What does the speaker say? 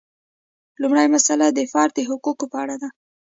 لومړۍ مسئله د فرد د حقوقو په اړه ده.